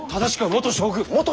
元将軍？